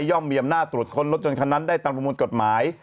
มีอำนาจตรวจค้นรถยนต์คันนั้นได้ตามประมวลกฎหมาย